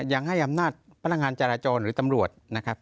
ยังให้อำนาจพลังงานจราจรหรือตำรวจ